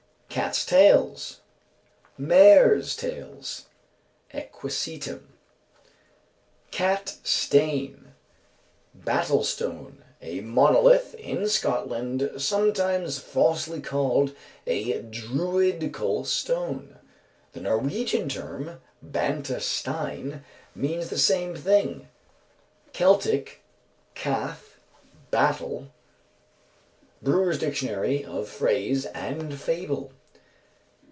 Cats' tails. Mares' tails (equisetum). Cat stane. "Battle stone. A monolith in Scotland (sometimes falsely called a Druidical stone). The Norwegian term, banta stein, means the same thing. Celtic cath (battle)." BREWER'S _Dictionary of Phrase and Fable.